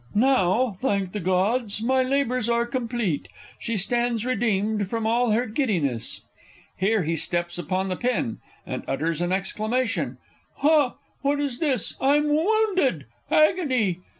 Now, thank the Gods, my labours are complete. She stands redeemed from all her giddiness! [Here he steps upon the pin, and utters an exclamation. Ha! What is this? I'm wounded ... agony!